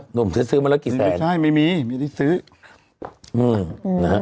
ห๊ะนุ่มซื้อมาแล้วกี่แสนไม่ใช่ไม่มีไม่ได้ซื้ออืม